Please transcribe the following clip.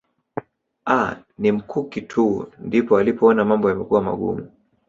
Aah ni mikuki tu ndipo alipoona mambo yamekuwa magumu